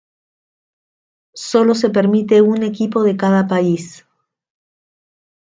Sólo se permite un equipo de cada país.